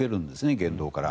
言動から。